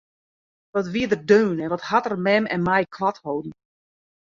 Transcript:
Wat wie er deun en wat hat er mem en my koart holden!